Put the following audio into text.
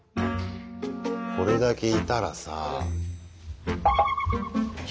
これだけいたらさあ。